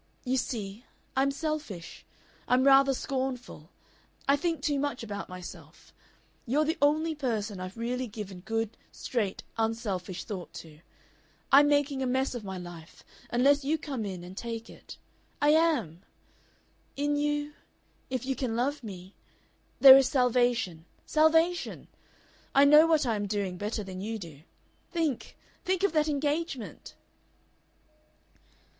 You see, I'm selfish. I'm rather scornful. I think too much about myself. You're the only person I've really given good, straight, unselfish thought to. I'm making a mess of my life unless you come in and take it. I am. In you if you can love me there is salvation. Salvation. I know what I am doing better than you do. Think think of that engagement!"